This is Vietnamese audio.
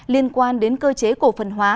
liên quan đến cơ chế cổ phần hóa